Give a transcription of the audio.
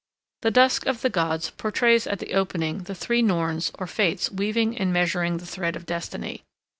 The Dusk of the Gods portrays at the opening the three norns or fates weaving and measuring the thread of destiny.